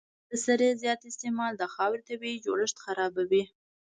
د سرې زیات استعمال د خاورې طبیعي جوړښت خرابوي.